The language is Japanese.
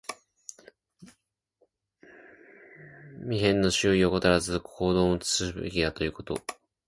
身辺の注意を怠らず、言動も慎むべきだということ。